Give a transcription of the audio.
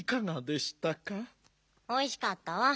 おいしかったわ。